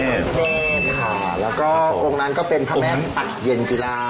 แล้วก็องค์นั้นก็เป็นภาพแม่นปะเย็นกีฬาว